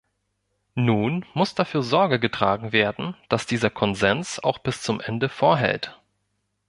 Nun muss dafür Sorge getragen werden, dass dieser Konsens auch bis zum Ende vorhält.